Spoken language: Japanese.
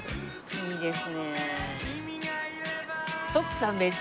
いいです！